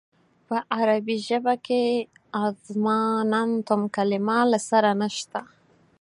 په عربي ژبه کې اظماننتم کلمه له سره نشته.